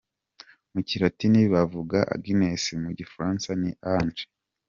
Mu kilatini bavuga Agnus, mu gifaransa ni Agnès.